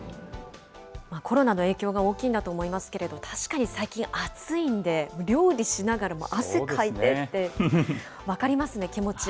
コロナの影響が大きいんだと思いますけれども、確かに最近、暑いんで、料理しながら、もう汗かいてって、分かりますね、気持ち。